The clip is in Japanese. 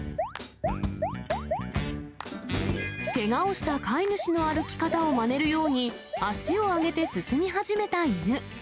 けがをした飼い主の歩き方をまねるように、足を上げて進み始めた犬。